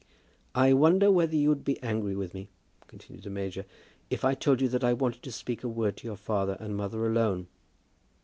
"I wonder whether you would be angry with me," continued the major, "if I told you that I wanted to speak a word to your father and mother alone?"